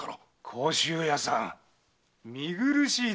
甲州屋さん見苦しいですぞ。